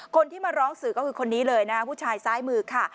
คนที่มาร้องสื่อก็คือคนนี้เลยนะผู้ชายซ้ายมือค่ะ